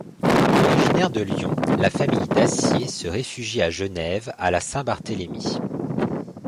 Originaire de Lyon, la famille Dassier se réfugie à Genève à la Saint-Barthélemy.